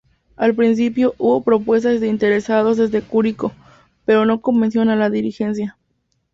Al principio, hubo propuestas de interesados desde Curicó, pero no convencieron a la dirigencia.